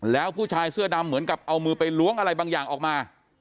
แล้วผู้ชายเสื้อดำเหมือนกับเอามือไปล้วงอะไรบางอย่างออกมา